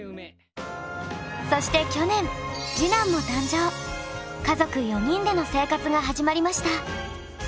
そして去年家族４人での生活が始まりました。